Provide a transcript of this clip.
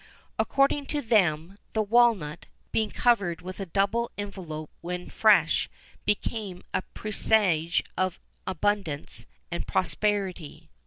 According to them, the walnut, being covered with a double envelope when fresh, became a presage of abundance and prosperity.